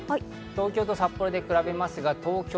東京と札幌で比べます。